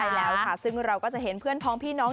ใช่แล้วค่ะซึ่งเราก็จะเห็นเพื่อนพ้องพี่น้อง